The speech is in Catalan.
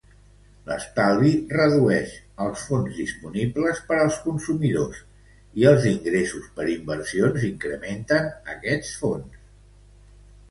L'estalvi redueix els fons disponibles per als consumidors i els ingressos per inversions incrementen aquests fons.